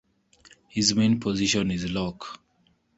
His main position is lock.